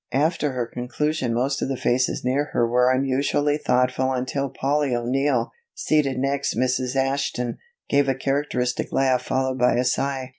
After her conclusion most of the faces near her were unusually thoughtful until Polly O'Neill, seated next Mrs. Ashton, gave a characteristic laugh followed by a sigh.